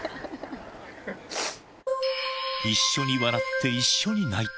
一緒に笑って、一緒に泣いた。